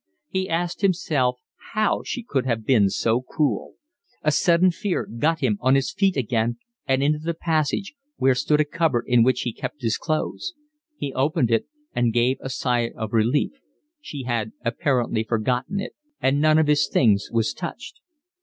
He asked himself how she could have been so cruel. A sudden fear got him on his feet again and into the passage, where stood a cupboard in which he kept his clothes. He opened it and gave a sigh of relief. She had apparently forgotten it and none of his things was touched.